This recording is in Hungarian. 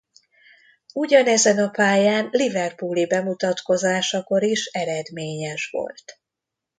Ugyanezen a pályán liverpooli bemutatkozásakor is eredményes volt.